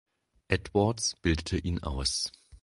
Edwards bildete ihn aus.